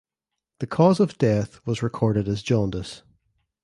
The cause of death was recorded as jaundice.